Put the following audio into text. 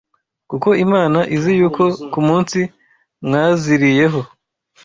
kuko Imana izi yuko ku munsi mwaziriyeho